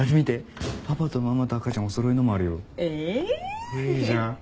これいいじゃん。